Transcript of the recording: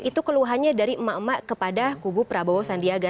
itu keluhannya dari emak emak kepada kubu prabowo sandiaga